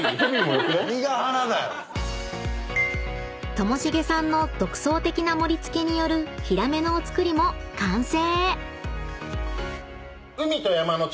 ［ともしげさんの独創的な盛り付けによるヒラメのお造りも完成！］